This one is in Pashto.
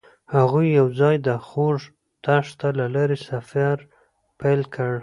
هغوی یوځای د خوږ دښته له لارې سفر پیل کړ.